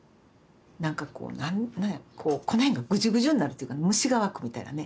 なんかこうこの辺がグジュグジュになるというか虫が湧くみたいなね。